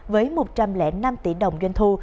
với một trăm linh năm tỷ đồng doanh thu